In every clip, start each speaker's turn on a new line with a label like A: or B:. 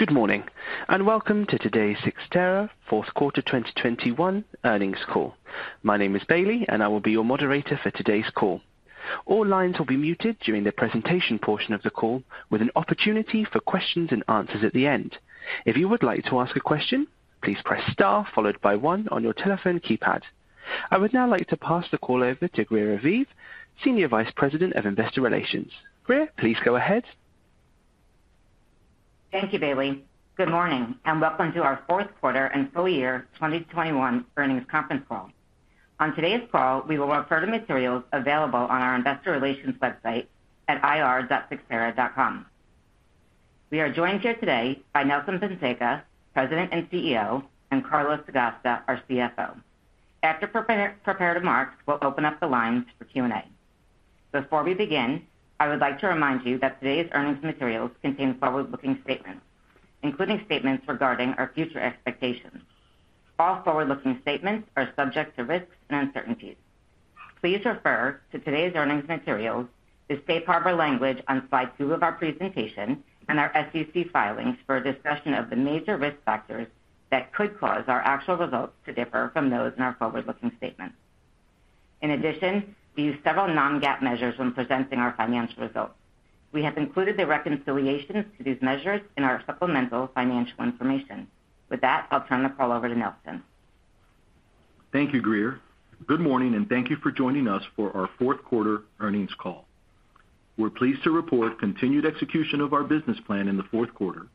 A: Good morning, and welcome to today's Cyxtera Fourth Quarter 2021 Earnings Call. My name is Bailey, and I will be your moderator for today's call. All lines will be muted during the presentation portion of the call, with an opportunity for questions and answers at the end. If you would like to ask a question, please press star followed by one on your telephone keypad. I would now like to pass the call over to Greer Aviv, Senior Vice President of Investor Relations. Greer, please go ahead.
B: Thank you, Bailey. Good morning, and welcome to our Fourth Quarter and Full year 2021 Earnings Conference Call. On today's call, we will have further materials available on our investor relations website at ir.cyxtera.com. We are joined here today by Nelson Fonseca, President and CEO, and Carlos Sagasta, our CFO. After prepared remarks, we'll open up the lines for Q&A. Before we begin, I would like to remind you that today's earnings materials contain forward-looking statements, including statements regarding our future expectations. All forward-looking statements are subject to risks and uncertainties. Please refer to today's earnings materials, the safe harbor language on slide two of our presentation and our SEC filings for a discussion of the major risk factors that could cause our actual results to differ from those in our forward-looking statements. In addition, we use several non-GAAP measures when presenting our financial results. We have included the reconciliations to these measures in our supplemental financial information. With that, I'll turn the call over to Nelson.
C: Thank you, Greer. Good morning, and thank you for joining us for our fourth quarter earnings call. We're pleased to report continued execution of our business plan in the fourth quarter,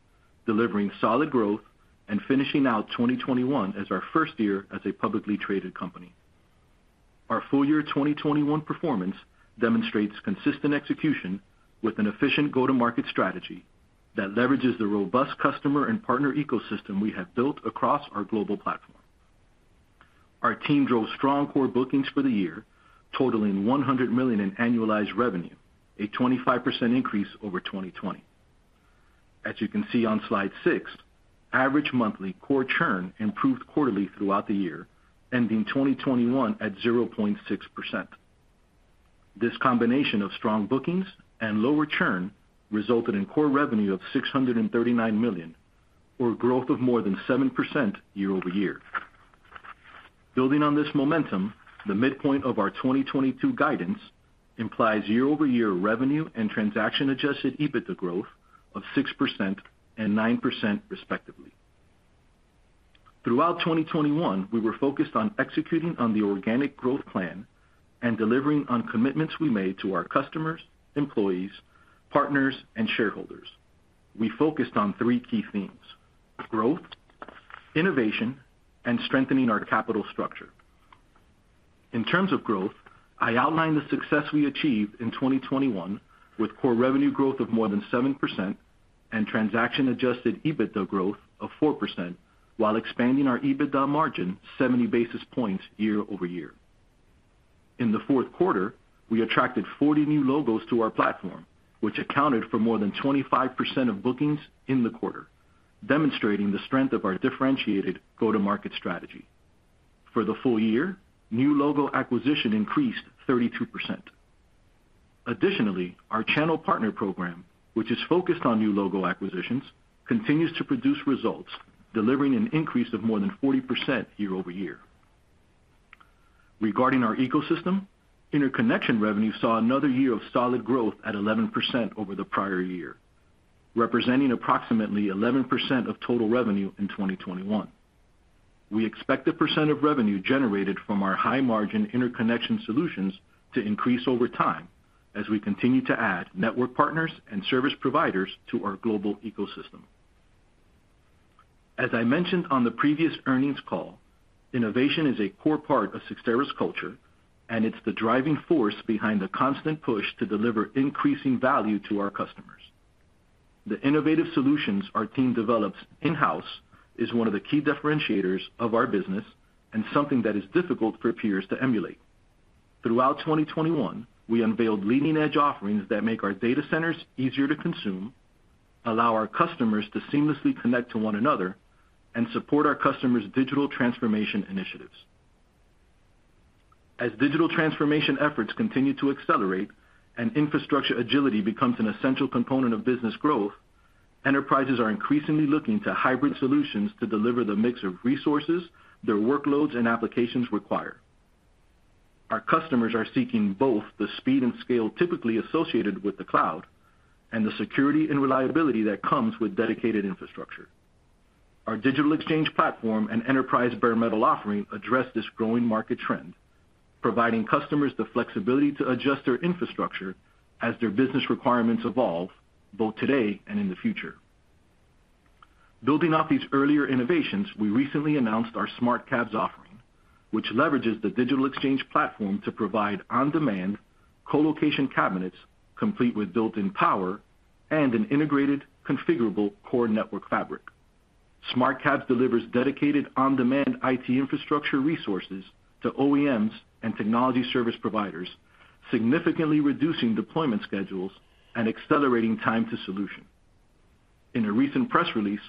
C: delivering solid growth and finishing out 2021 as our first year as a publicly traded company. Our full year 2021 performance demonstrates consistent execution with an efficient go-to-market strategy that leverages the robust customer and partner ecosystem we have built across our global platform. Our team drove strong core bookings for the year, totaling $100 million in annualized revenue, a 25% increase over 2020. As you can see on slide 6, average monthly core churn improved quarterly throughout the year, ending 2021 at 0.6%. This combination of strong bookings and lower churn resulted in core revenue of $639 million, or growth of more than 7% year over year. Building on this momentum, the midpoint of our 2022 guidance implies year-over-year revenue and transaction-adjusted EBITDA growth of 6% and 9% respectively. Throughout 2021, we were focused on executing on the organic growth plan and delivering on commitments we made to our customers, employees, partners, and shareholders. We focused on three key themes, growth, innovation, and strengthening our capital structure. In terms of growth, I outlined the success we achieved in 2021 with core revenue growth of more than 7% and transaction-adjusted EBITDA growth of 4% while expanding our EBITDA margin 70 basis points year over year. In the fourth quarter, we attracted 40 new logos to our platform, which accounted for more than 25% of bookings in the quarter, demonstrating the strength of our differentiated go-to-market strategy. For the full year, new logo acquisition increased 32%. Additionally, our channel partner program, which is focused on new logo acquisitions, continues to produce results, delivering an increase of more than 40% year-over-year. Regarding our ecosystem, interconnection revenue saw another year of solid growth at 11% over the prior year, representing approximately 11% of total revenue in 2021. We expect the percent of revenue generated from our high-margin interconnection solutions to increase over time as we continue to add network partners and service providers to our global ecosystem. As I mentioned on the previous earnings call, innovation is a core part of Cyxtera's culture, and it's the driving force behind the constant push to deliver increasing value to our customers. The innovative solutions our team develops in-house is one of the key differentiators of our business and something that is difficult for peers to emulate. Throughout 2021, we unveiled leading-edge offerings that make our data centers easier to consume, allow our customers to seamlessly connect to one another, and support our customers' digital transformation initiatives. As digital transformation efforts continue to accelerate and infrastructure agility becomes an essential component of business growth, enterprises are increasingly looking to hybrid solutions to deliver the mix of resources their workloads and applications require. Our customers are seeking both the speed and scale typically associated with the cloud and the security and reliability that comes with dedicated infrastructure. Our Digital Exchange Platform and Enterprise Bare Metal offering address this growing market trend, providing customers the flexibility to adjust their infrastructure as their business requirements evolve, both today and in the future. Building off these earlier innovations, we recently announced our SmartCabs offering, which leverages the Digital Exchange Platform to provide on-demand colocation cabinets complete with built-in power and an integrated configurable core network fabric. SmartCabs delivers dedicated on-demand IT infrastructure resources to OEMs and technology service providers, significantly reducing deployment schedules and accelerating time to solution. In a recent press release,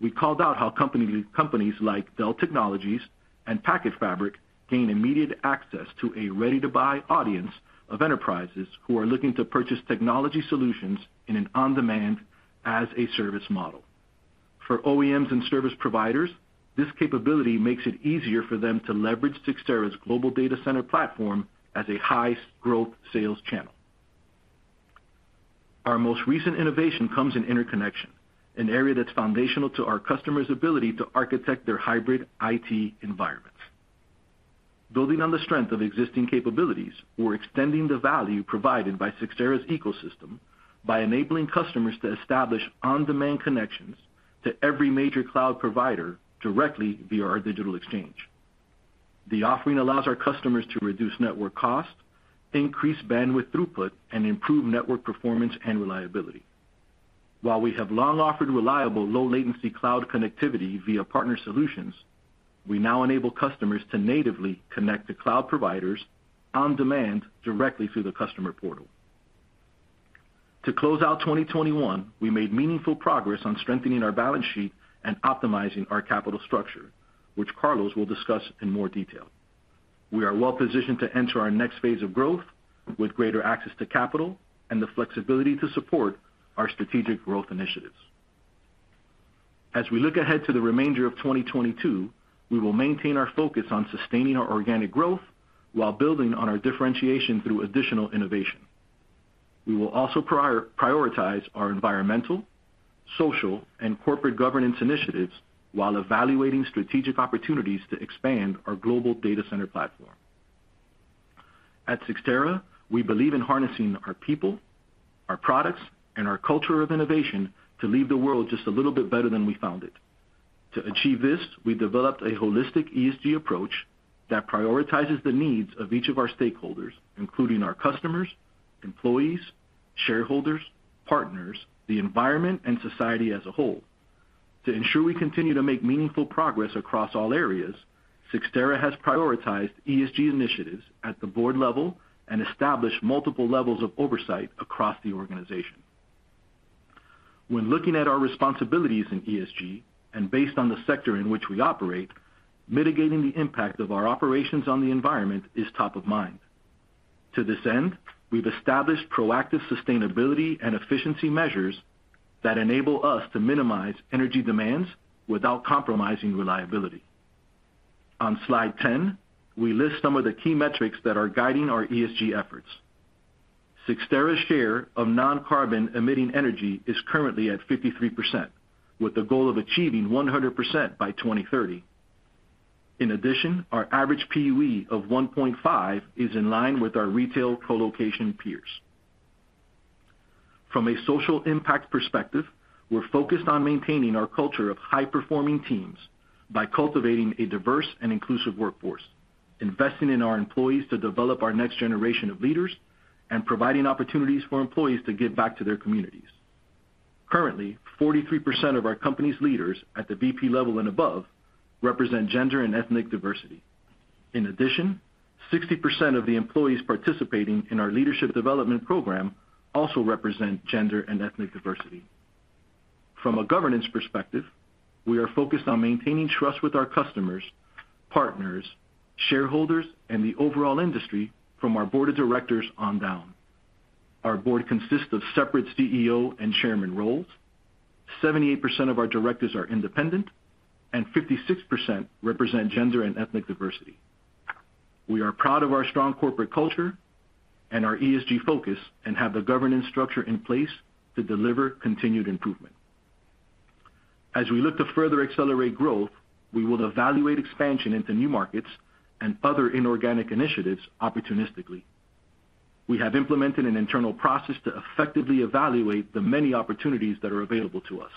C: we called out how companies like Dell Technologies and PacketFabric gain immediate access to a ready-to-buy audience of enterprises who are looking to purchase technology solutions in an on-demand, as-a-service model. For OEMs and service providers, this capability makes it easier for them to leverage Cyxtera's global data center platform as a highest growth sales channel. Our most recent innovation comes in interconnection, an area that's foundational to our customers' ability to architect their hybrid IT environments. Building on the strength of existing capabilities, we're extending the value provided by Cyxtera's ecosystem by enabling customers to establish on-demand connections to every major cloud provider directly via our digital exchange. The offering allows our customers to reduce network costs, increase bandwidth throughput, and improve network performance and reliability. While we have long offered reliable low latency cloud connectivity via partner solutions, we now enable customers to natively connect to cloud providers on demand directly through the customer portal. To close out 2021, we made meaningful progress on strengthening our balance sheet and optimizing our capital structure, which Carlos will discuss in more detail. We are well-positioned to enter our next phase of growth with greater access to capital and the flexibility to support our strategic growth initiatives. As we look ahead to the remainder of 2022, we will maintain our focus on sustaining our organic growth while building on our differentiation through additional innovation. We will also prioritize our environmental, social, and corporate governance initiatives while evaluating strategic opportunities to expand our global data center platform. At Cyxtera, we believe in harnessing our people, our products, and our culture of innovation to leave the world just a little bit better than we found it. To achieve this, we developed a holistic ESG approach that prioritizes the needs of each of our stakeholders, including our customers, employees, shareholders, partners, the environment, and society as a whole. To ensure we continue to make meaningful progress across all areas, Cyxtera has prioritized ESG initiatives at the board level and established multiple levels of oversight across the organization. When looking at our responsibilities in ESG, and based on the sector in which we operate, mitigating the impact of our operations on the environment is top of mind. To this end, we've established proactive sustainability and efficiency measures that enable us to minimize energy demands without compromising reliability. On slide 10, we list some of the key metrics that are guiding our ESG efforts. Cyxtera's share of non-carbon emitting energy is currently at 53%, with the goal of achieving 100% by 2030. In addition, our average PUE of 1.5 is in line with our retail colocation peers. From a social impact perspective, we're focused on maintaining our culture of high-performing teams by cultivating a diverse and inclusive workforce, investing in our employees to develop our next generation of leaders, and providing opportunities for employees to give back to their communities. Currently, 43% of our company's leaders at the VP level and above represent gender and ethnic diversity. In addition, 60% of the employees participating in our leadership development program also represent gender and ethnic diversity. From a governance perspective, we are focused on maintaining trust with our customers, partners, shareholders, and the overall industry from our board of directors on down. Our board consists of separate CEO and chairman roles. 78% of our directors are independent, and 56% represent gender and ethnic diversity. We are proud of our strong corporate culture and our ESG focus, and have the governance structure in place to deliver continued improvement. As we look to further accelerate growth, we will evaluate expansion into new markets and other inorganic initiatives opportunistically. We have implemented an internal process to effectively evaluate the many opportunities that are available to us.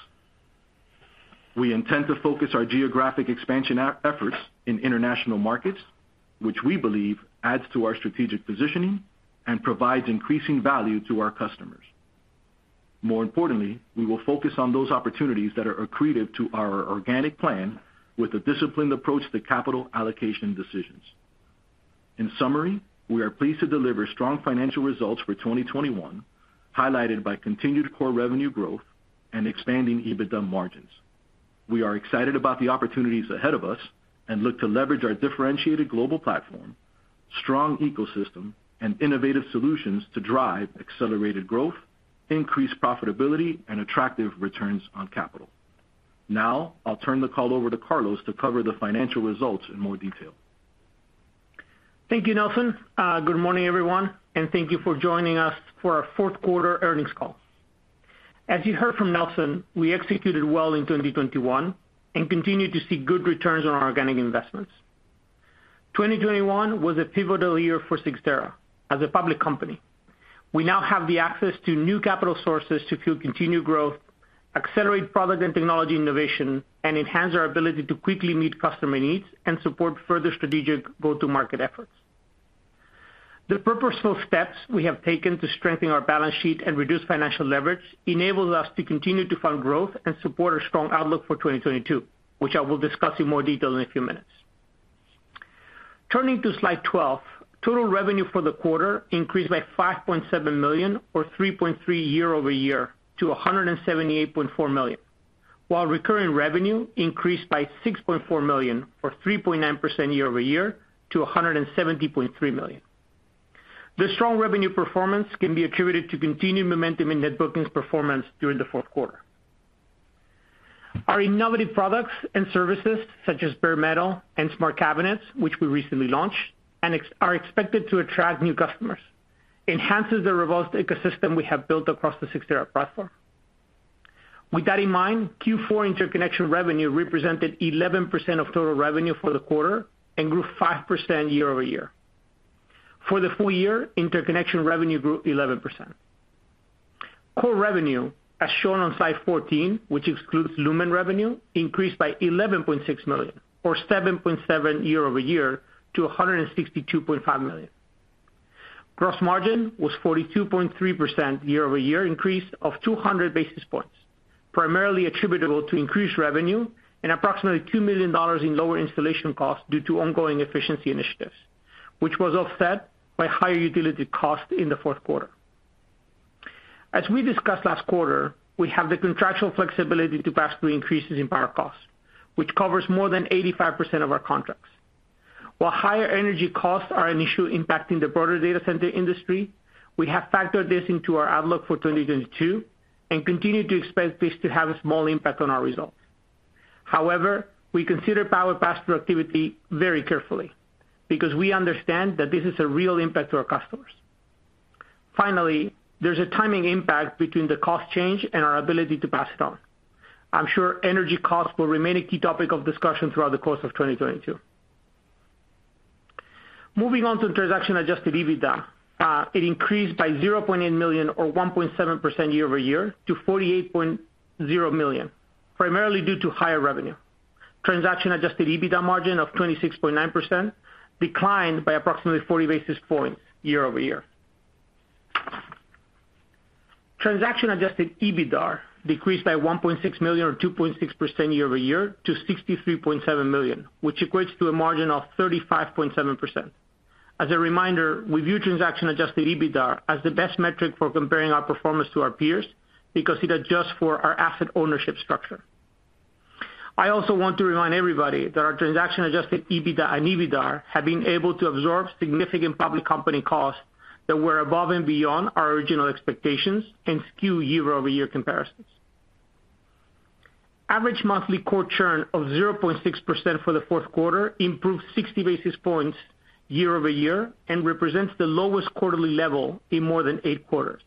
C: We intend to focus our geographic expansion efforts in international markets, which we believe adds to our strategic positioning and provides increasing value to our customers. More importantly, we will focus on those opportunities that are accretive to our organic plan with a disciplined approach to capital allocation decisions. In summary, we are pleased to deliver strong financial results for 2021, highlighted by continued core revenue growth and expanding EBITDA margins. We are excited about the opportunities ahead of us and look to leverage our differentiated global platform, strong ecosystem, and innovative solutions to drive accelerated growth, increased profitability, and attractive returns on capital. Now, I'll turn the call over to Carlos to cover the financial results in more detail.
D: Thank you, Nelson. Good morning, everyone, and thank you for joining us for our fourth quarter earnings call. As you heard from Nelson, we executed well in 2021 and continue to see good returns on our organic investments. 2021 was a pivotal year for Cyxtera as a public company. We now have the access to new capital sources to fuel continued growth, accelerate product and technology innovation, and enhance our ability to quickly meet customer needs and support further strategic go-to-market efforts. The purposeful steps we have taken to strengthen our balance sheet and reduce financial leverage enables us to continue to fund growth and support our strong outlook for 2022, which I will discuss in more detail in a few minutes. Turning to slide 12. Total revenue for the quarter increased by $5.7 million or 3.3% year-over-year to $178.4 million. Recurring revenue increased by $6.4 million or 3.9% year-over-year to $170.3 million. The strong revenue performance can be attributed to continued momentum in net bookings performance during the fourth quarter. Our innovative products and services such as Bare Metal and Smart Cabinets, which we recently launched are expected to attract new customers, enhances the robust ecosystem we have built across the Cyxtera platform. With that in mind, Q4 interconnection revenue represented 11% of total revenue for the quarter and grew 5% year-over-year. For the full year, interconnection revenue grew 11%. Core revenue, as shown on slide 14, which excludes Lumen revenue, increased by $11.6 million, or 7.7% year-over-year to $162.5 million. Gross margin was 42.3% year-over-year increase of 200 basis points, primarily attributable to increased revenue and approximately $2 million in lower installation costs due to ongoing efficiency initiatives, which was offset by higher utility costs in the fourth quarter. As we discussed last quarter, we have the contractual flexibility to pass through increases in power costs, which covers more than 85% of our contracts. While higher energy costs are an issue impacting the broader data center industry, we have factored this into our outlook for 2022 and continue to expect this to have a small impact on our results. However, we consider power pass-through activity very carefully because we understand that this is a real impact to our customers. Finally, there's a timing impact between the cost change and our ability to pass it on. I'm sure energy costs will remain a key topic of discussion throughout the course of 2022. Moving on to transaction-adjusted EBITDA. It increased by $0.8 million or 1.7% year-over-year to $48.0 million, primarily due to higher revenue. Transaction-adjusted EBITDA margin of 26.9% declined by approximately 40 basis points year-over-year. Transaction-adjusted EBITDAR decreased by $1.6 million or 2.6% year-over-year to $63.7 million, which equates to a margin of 35.7%. As a reminder, we view transaction-adjusted EBITDAR as the best metric for comparing our performance to our peers because it adjusts for our asset ownership structure. I also want to remind everybody that our transaction-adjusted EBITDA and EBITDAR have been able to absorb significant public company costs that were above and beyond our original expectations and skew year-over-year comparisons. Average monthly core churn of 0.6% for the fourth quarter improved 60 basis points year-over-year and represents the lowest quarterly level in more than eight quarters.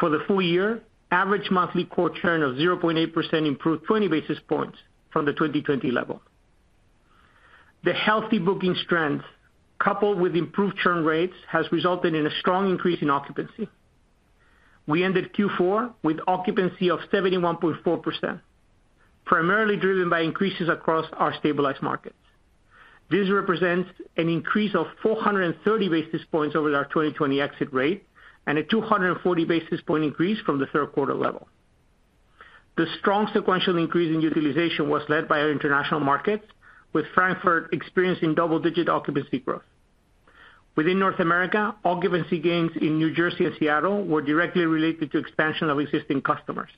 D: For the full year, average monthly core churn of 0.8% improved 20 basis points from the 2020 level. The healthy booking strength, coupled with improved churn rates, has resulted in a strong increase in occupancy. We ended Q4 with occupancy of 71.4%, primarily driven by increases across our stabilized markets. This represents an increase of 430 basis points over our 2020 exit rate and a 240 basis point increase from the third quarter level. The strong sequential increase in utilization was led by our international markets, with Frankfurt experiencing double-digit occupancy growth. Within North America, occupancy gains in New Jersey and Seattle were directly related to expansion of existing customers,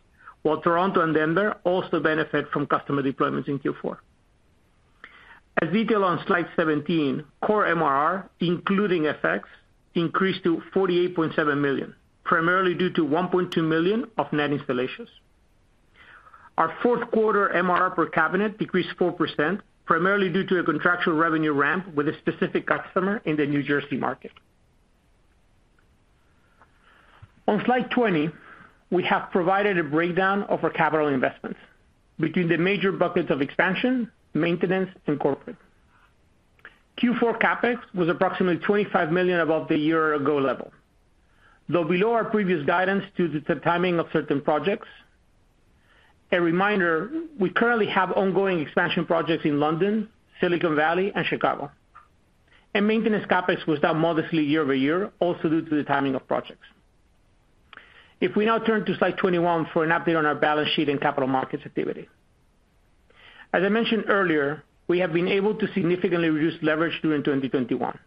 D: while Toronto and Denver also benefit from customer deployments in Q4. As detailed on slide 17, core MRR, including FX, increased to $48.7 million, primarily due to $1.2 million of net installations. Our fourth quarter MRR per cabinet decreased 4%, primarily due to a contractual revenue ramp with a specific customer in the New Jersey market. On slide 20, we have provided a breakdown of our capital investments between the major buckets of expansion, maintenance, and corporate. Q4 CapEx was approximately $25 million above the year ago level, though below our previous guidance due to the timing of certain projects. A reminder, we currently have ongoing expansion projects in London, Silicon Valley, and Chicago. Maintenance CapEx was down modestly year-over-year, also due to the timing of projects. If we now turn to slide 21 for an update on our balance sheet and capital markets activity. As I mentioned earlier, we have been able to significantly reduce leverage during 2021.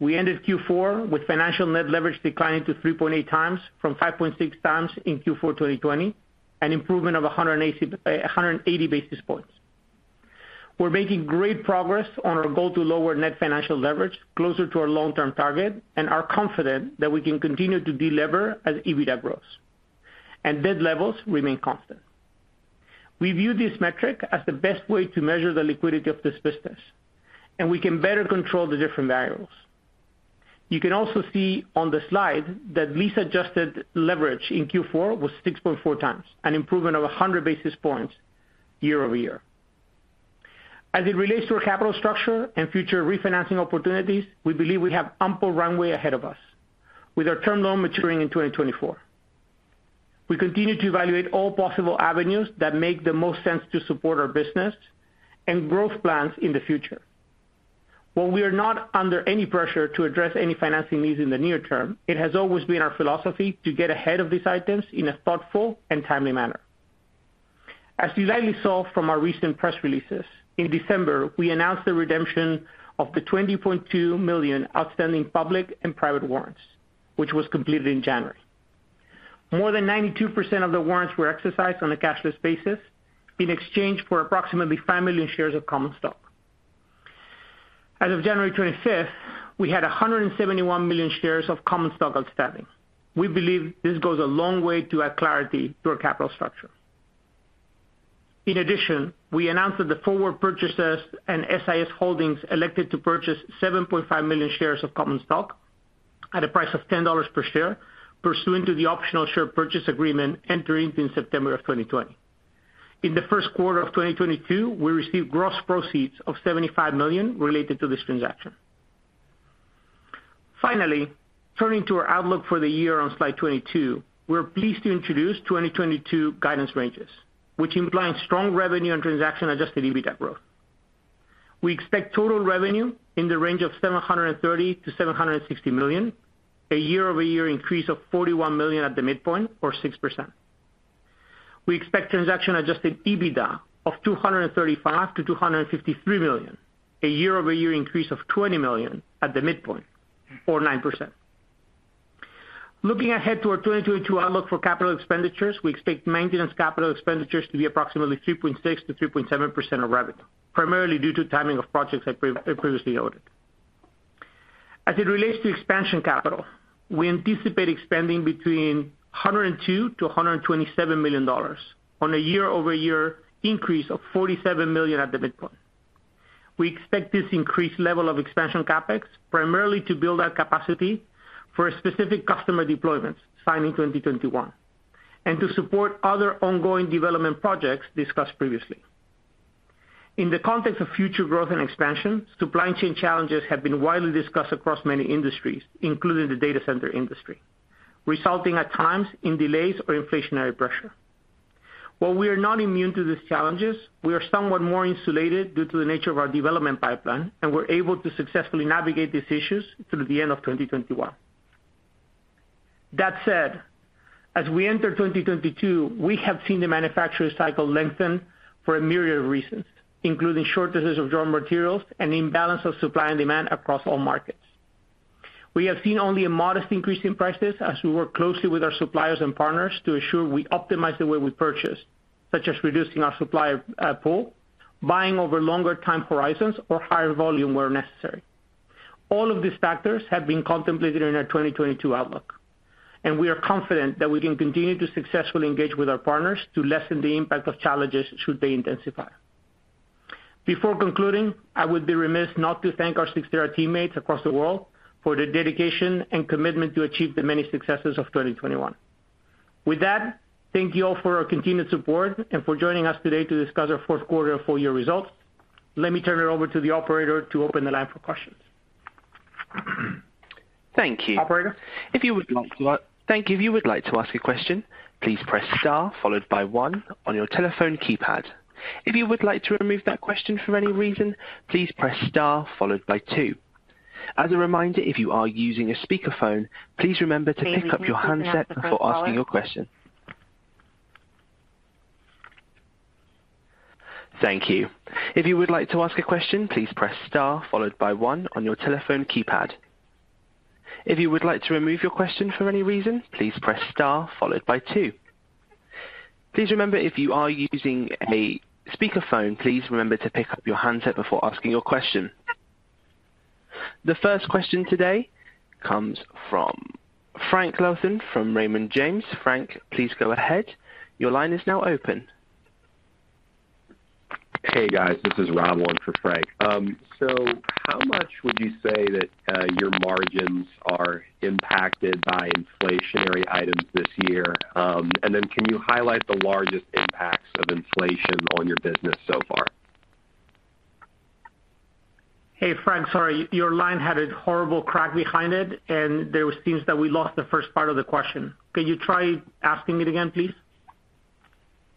D: We ended Q4 with financial net leverage declining to 3.8 times from 5.6 times in Q4 2020, an improvement of 180 basis points. We're making great progress on our goal to lower net financial leverage closer to our long-term target and are confident that we can continue to delever as EBITDA grows and debt levels remain constant. We view this metric as the best way to measure the liquidity of this business, and we can better control the different variables. You can also see on the slide that lease-adjusted leverage in Q4 was 6.4 times, an improvement of 100 basis points year-over-year. As it relates to our capital structure and future refinancing opportunities, we believe we have ample runway ahead of us with our term loan maturing in 2024. We continue to evaluate all possible avenues that make the most sense to support our business and growth plans in the future. While we are not under any pressure to address any financing needs in the near term, it has always been our philosophy to get ahead of these items in a thoughtful and timely manner. As you likely saw from our recent press releases, in December, we announced the redemption of the 20.2 million outstanding public and private warrants, which was completed in January. More than 92% of the warrants were exercised on a cashless basis in exchange for approximately 5 million shares of common stock. As of January 25, we had 171 million shares of common stock outstanding. We believe this goes a long way to add clarity to our capital structure. In addition, we announced that the forward purchases and SIS holdings elected to purchase $7.5 million shares of common stock at a price of $10 per share pursuant to the optional share purchase agreement entering in September of 2020. In the first quarter of 2022, we received gross proceeds of $75 million related to this transaction. Finally, turning to our outlook for the year on slide 22, we're pleased to introduce 2022 guidance ranges, which implies strong revenue and transaction-adjusted EBITDA growth. We expect total revenue in the range of $730 million-$760 million, a year-over-year increase of $41 million at the midpoint or 6%. We expect transaction-adjusted EBITDA of $235 million-$253 million, a year-over-year increase of $20 million at the midpoint or 9%. Looking ahead to our 2022 outlook for capital expenditures, we expect maintenance capital expenditures to be approximately 3.6%-3.7% of revenue, primarily due to timing of projects I previously noted. As it relates to expansion capital, we anticipate expanding between $102 million and $127 million on a year-over-year increase of $47 million at the midpoint. We expect this increased level of expansion CapEx primarily to build our capacity for specific customer deployments signed in 2021, and to support other ongoing development projects discussed previously. In the context of future growth and expansion, supply chain challenges have been widely discussed across many industries, including the data center industry, resulting at times in delays or inflationary pressure. While we are not immune to these challenges, we are somewhat more insulated due to the nature of our development pipeline, and we're able to successfully navigate these issues through the end of 2021. That said, as we enter 2022, we have seen the manufacturing cycle lengthen for a myriad of reasons, including shortages of raw materials and imbalance of supply and demand across all markets. We have seen only a modest increase in prices as we work closely with our suppliers and partners to ensure we optimize the way we purchase, such as reducing our supply, pool, buying over longer time horizons or higher volume where necessary. All of these factors have been contemplated in our 2022 outlook, and we are confident that we can continue to successfully engage with our partners to lessen the impact of challenges should they intensify. Before concluding, I would be remiss not to thank our Cyxtera teammates across the world for their dedication and commitment to achieve the many successes of 2021. With that, thank you all for your continued support and for joining us today to discuss our fourth quarter and full year results. Let me turn it over to the operator to open the line for questions.
A: Thank you.
D: Operator?
A: Thank you. If you would like to ask a question, please press star followed by one on your telephone keypad. If you would like to readmit that question for any reason, please press star followed by two. As a reminder if you're using a speaker phone, please remember to unlock your handset before asking your question. The first question today comes from Frank Louthan from Raymond James. Frank, please go ahead. Your line is now open.
E: Hey guys, this is Rob calling for Frank. How much would you say that your margins are impacted by inflationary items this year? Can you highlight the largest impacts of inflation on your business so far?
D: Hey, Frank. Sorry, your line had a horrible crack behind it, and there seems that we lost the first part of the question. Can you try asking it again, please?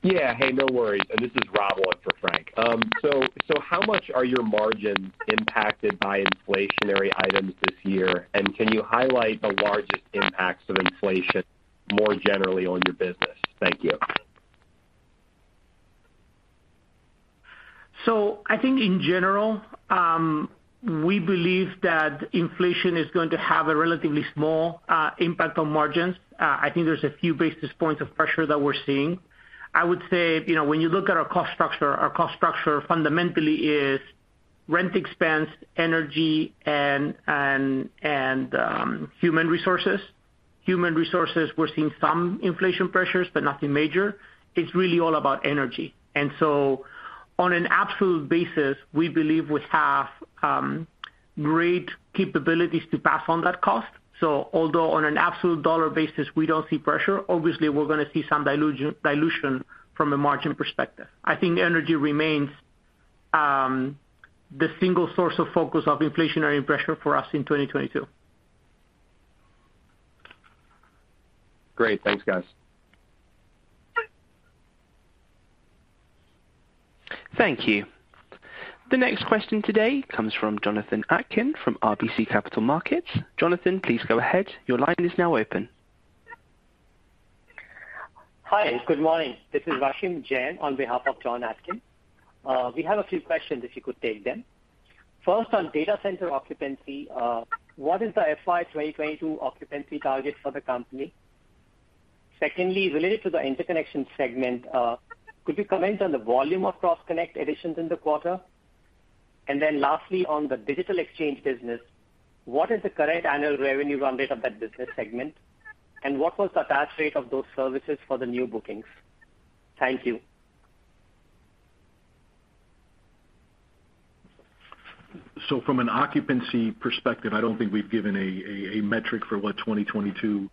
E: Yeah. Hey, no worries. This is Rob calling for Frank. So how much are your margins impacted by inflationary items this year? Can you highlight the largest impacts of inflation more generally on your business? Thank you.
D: I think in general, we believe that inflation is going to have a relatively small impact on margins. I think there's a few basis points of pressure that we're seeing. I would say, you know, when you look at our cost structure, our cost structure fundamentally is rent expense, energy and human resources. Human resources, we're seeing some inflation pressures, but nothing major. It's really all about energy. On an absolute basis, we believe we have great capabilities to pass on that cost. Although on an absolute dollar basis we don't see pressure, obviously we're gonna see some dilution from a margin perspective. I think energy remains the single source of focus of inflationary pressure for us in 2022.
E: Great. Thanks, guys.
A: Thank you. The next question today comes from Jonathan Atkin from RBC Capital Markets. Jonathan, please go ahead. Your line is now open.
F: Hi, good morning. This is Rashim Jain on behalf of Jonathan Atkin. We have a few questions if you could take them. First, on data center occupancy, what is the FY 2022 occupancy target for the company? Secondly, related to the interconnection segment, could you comment on the volume of cross-connect additions in the quarter? Lastly, on the digital exchange business, what is the current annual revenue run rate of that business segment, and what was the attach rate of those services for the new bookings? Thank you.
C: From an occupancy perspective, I don't think we've given a metric for what 2022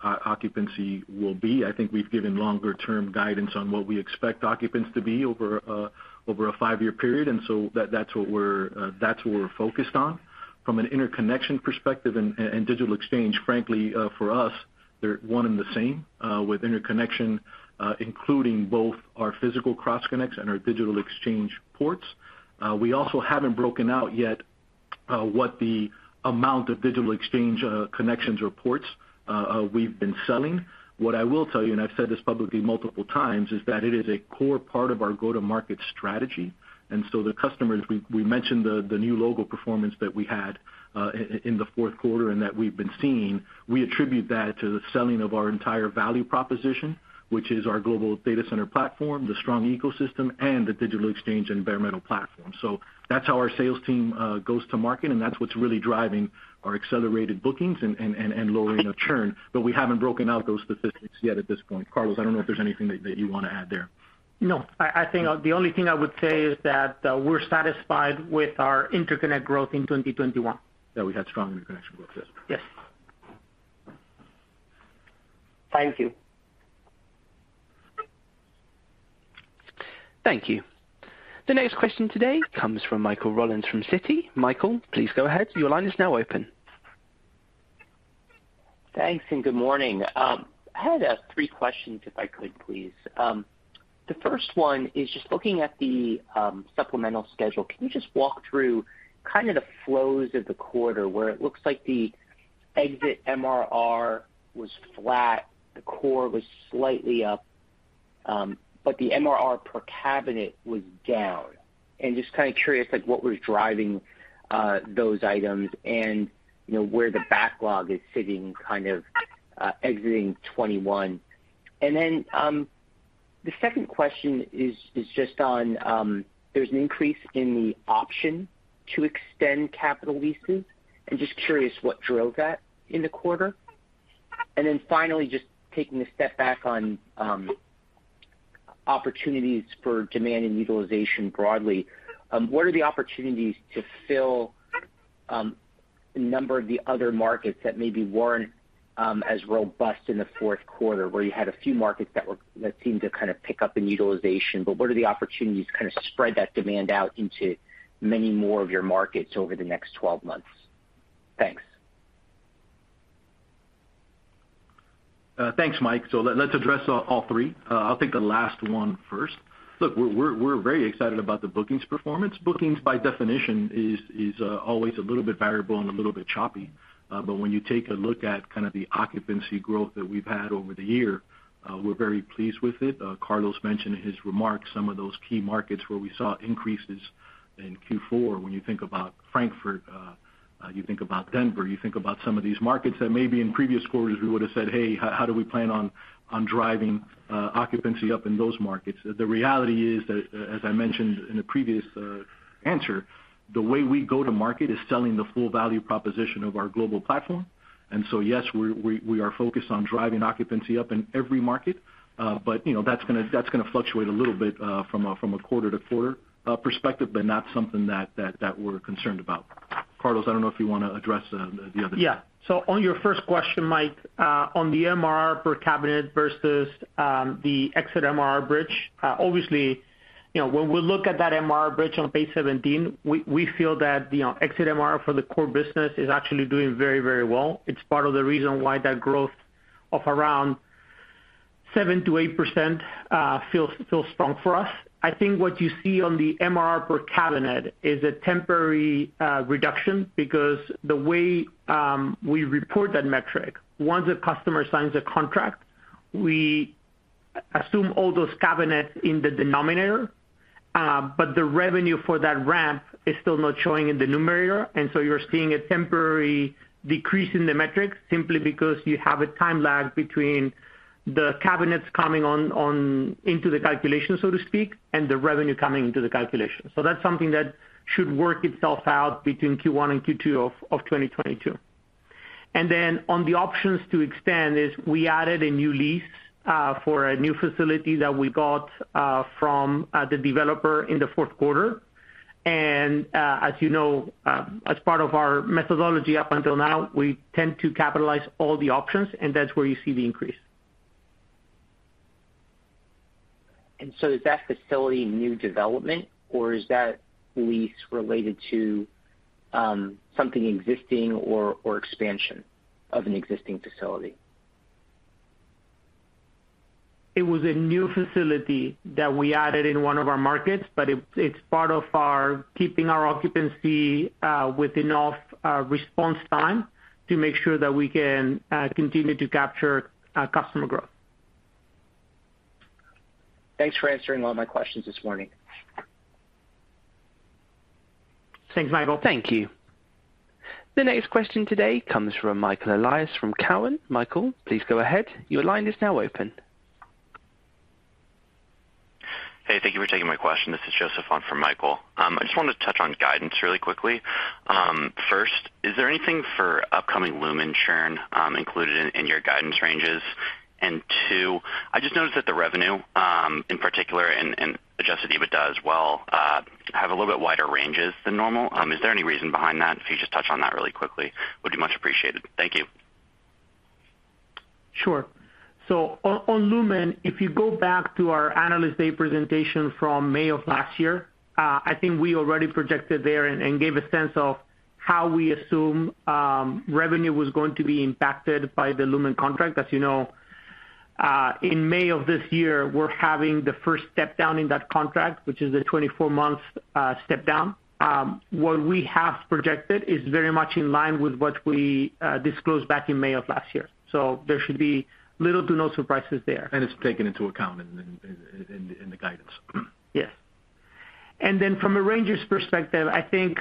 C: occupancy will be. I think we've given longer-term guidance on what we expect occupancy to be over a five-year period. That's what we're focused on. From an interconnection perspective and digital exchange, frankly, for us, they're one and the same, with interconnection including both our physical cross-connects and our Digital Exchange ports. We also haven't broken out yet what the amount of Digital Exchange connections or ports we've been selling. What I will tell you, and I've said this publicly multiple times, is that it is a core part of our go-to-market strategy. The customers, we mentioned the new logo performance that we had in the fourth quarter and that we've been seeing. We attribute that to the selling of our entire value proposition, which is our global data center platform, the strong ecosystem and the Digital Exchange Platform. That's how our sales team goes to market, and that's what's really driving our accelerated bookings and lowering of churn. We haven't broken out those statistics yet at this point. Carlos, I don't know if there's anything that you want to add there.
D: No, I think the only thing I would say is that we're satisfied with our interconnect growth in 2021.
C: That we had strong interconnection growth, yes.
D: Yes.
F: Thank you.
A: Thank you. The next question today comes from Michael Rollins from Citi. Michael, please go ahead. Your line is now open.
G: Thanks, good morning. I had three questions if I could please. The first one is just looking at the supplemental schedule. Can you just walk through kind of the flows of the quarter where it looks like the exit MRR was flat, the core was slightly up, but the MRR per cabinet was down. Just kind of curious, like, what was driving those items and, you know, where the backlog is sitting, kind of, exiting 2021. Then the second question is just on, there's an increase in the option to extend capital leases and just curious what drove that in the quarter. Finally, just taking a step back on opportunities for demand and utilization broadly, what are the opportunities to fill a number of the other markets that maybe weren't as robust in the fourth quarter where you had a few markets that seemed to kind of pick up in utilization, but what are the opportunities to kind of spread that demand out into many more of your markets over the next 12 months? Thanks.
C: Thanks, Mike. Let's address all three. I'll take the last one first. Look, we're very excited about the bookings performance. Bookings by definition is always a little bit variable and a little bit choppy. When you take a look at kind of the occupancy growth that we've had over the year, we're very pleased with it. Carlos mentioned in his remarks some of those key markets where we saw increases in Q4. When you think about Frankfurt, you think about Denver, you think about some of these markets that maybe in previous quarters we would have said, "Hey, how do we plan on driving occupancy up in those markets?" The reality is that as I mentioned in a previous answer, the way we go to market is selling the full value proposition of our global platform. Yes, we are focused on driving occupancy up in every market. But you know, that's gonna fluctuate a little bit from a quarter to quarter perspective, but not something that we're concerned about. Carlos, I don't know if you want to address the other-
D: Yeah. On your first question, Mike, on the MRR per cabinet versus the exit MRR bridge, obviously, you know, when we look at that MRR bridge on page 17, we feel that the exit MRR for the core business is actually doing very, very well. It's part of the reason why that growth of around 7%-8% feels strong for us. I think what you see on the MRR per cabinet is a temporary reduction because the way we report that metric, once a customer signs a contract, we assume all those cabinets in the denominator, but the revenue for that ramp is still not showing in the numerator. You're seeing a temporary decrease in the metrics simply because you have a time lag between the cabinets coming on into the calculation, so to speak, and the revenue coming into the calculation. That's something that should work itself out between Q1 and Q2 of 2022. On the options to extend is we added a new lease for a new facility that we got from the developer in the fourth quarter. As you know, as part of our methodology up until now, we tend to capitalize all the options, and that's where you see the increase.
G: Is that facility new development or is that lease related to something existing or expansion of an existing facility?
D: It was a new facility that we added in one of our markets, but it's part of our keeping our occupancy with enough response time to make sure that we can continue to capture customer growth.
G: Thanks for answering all my questions this morning.
D: Thanks, Michael.
A: Thank you. The next question today comes from Michael Elias from Cowen. Michael, please go ahead. Your line is now open.
H: Hey, thank you for taking my question. This is Joseph on for Michael. I just wanted to touch on guidance really quickly. First, is there anything for upcoming Lumen churn included in your guidance ranges? Two, I just noticed that the revenue, in particular and adjusted EBITDA as well, have a little bit wider ranges than normal. Is there any reason behind that? If you just touch on that really quickly, would be much appreciated. Thank you.
D: Sure. On Lumen, if you go back to our Analyst Day presentation from May of last year, I think we already projected there and gave a sense of how we assume revenue was going to be impacted by the Lumen contract. As you know, in May of this year, we're having the first step down in that contract, which is a 24-month step down. What we have projected is very much in line with what we disclosed back in May of last year. There should be little to no surprises there.
C: It's taken into account in the guidance.
D: Yes. Then from a ranges perspective, I think,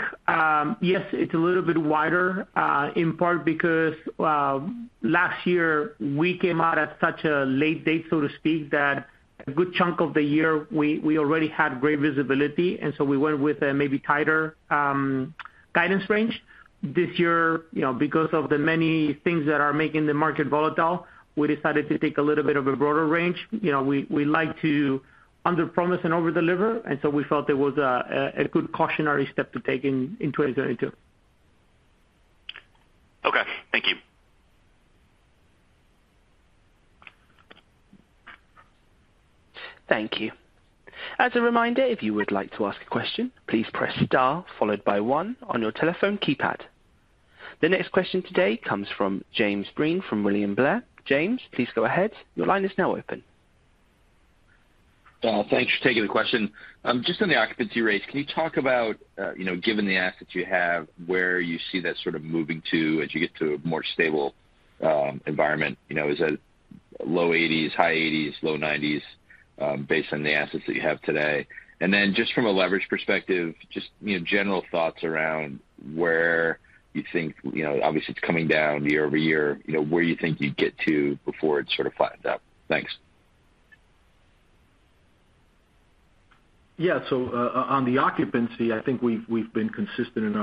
D: yes, it's a little bit wider, in part because, well, last year we came out at such a late date, so to speak, that a good chunk of the year we already had great visibility. We went with a maybe tighter guidance range. This year, you know, because of the many things that are making the market volatile, we decided to take a little bit of a broader range. We like to underpromise and overdeliver, and so we felt it was a good cautionary step to take in 2022.
H: Okay. Thank you.
A: Thank you. As a reminder, if you would like to ask a question, please press star followed by one on your telephone keypad. The next question today comes from James Breen from William Blair. James, please go ahead. Your line is now open.
I: Nelson, thanks for taking the question. Just on the occupancy rates, can you talk about you know, given the assets you have, where you see that sort of moving to as you get to a more stable environment, you know, is it low 80s%, high 80s%, low 90s%, based on the assets that you have today? Then just from a leverage perspective, just you know, general thoughts around where you think you know, obviously it's coming down year-over-year, you know, where you think you'd get to before it sort of flattens out. Thanks.
C: Yeah. On the occupancy, I think we've been consistent in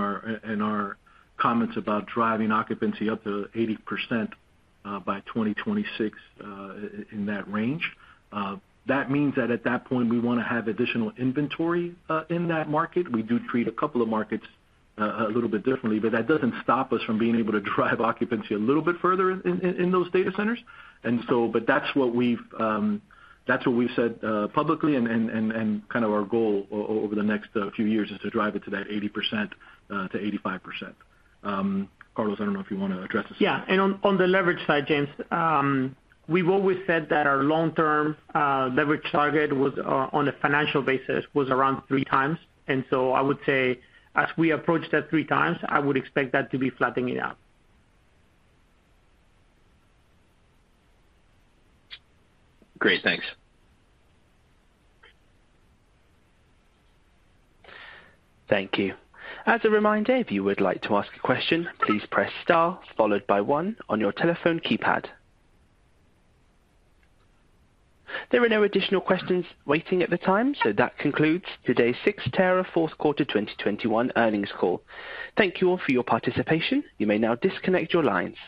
C: our comments about driving occupancy up to 80%, by 2026, in that range. That means that at that point, we want to have additional inventory in that market. We do treat a couple of markets a little bit differently, but that doesn't stop us from being able to drive occupancy a little bit further in those data centers. That's what we've said publicly and kind of our goal over the next few years is to drive it to that 80%-85%. Carlos, I don't know if you want to address this.
D: Yeah. On the leverage side, James, we've always said that our long-term leverage target was on a financial basis was around 3x. I would say as we approach that 3x, I would expect that to be flattening out.
I: Great. Thanks.
A: Thank you. As a reminder, if you would like to ask a question, please press star followed by one on your telephone keypad. There are no additional questions waiting at the time, so that concludes today's Cyxtera Fourth Quarter 2021 Earnings Call. Thank you all for your participation. You may now disconnect your lines.